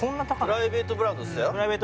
プライベートブランドっつったよ